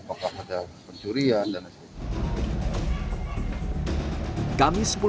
apakah ada pencurian dan lain sebagainya